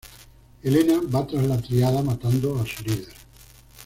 Helena va tras la Triada, matando a su líder.